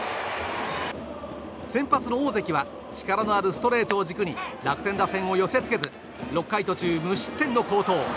先発の大関は力のあるストレートを軸に楽天打線を寄せ付けず６回途中無失点の好投。